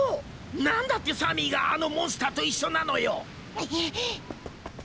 何だってサミーがあのモンスターと一緒なのよ？